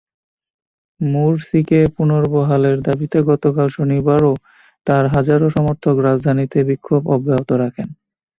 মুরসিকে পুনর্বহালের দাবিতে গতকাল শনিবারও তাঁর হাজারো সমর্থক রাজধানীতে বিক্ষোভ অব্যাহত রাখেন।